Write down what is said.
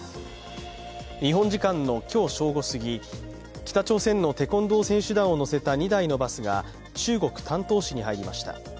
日本時間の今日正午過ぎ、北朝鮮のテコンドー選手団を乗せた２台のバスが中国・丹東市に入りました。